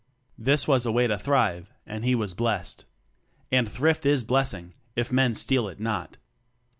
This was a way to thrive, and he was blessed: And thrift is blessing, if men steal it not.